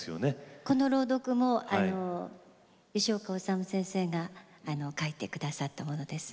この朗読も吉岡治先生が書いて下さったものです。